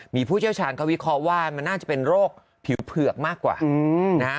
มีผู้เชี่ยวชาญเขาวิเคราะห์ว่ามันน่าจะเป็นโรคผิวเผือกมากกว่านะฮะ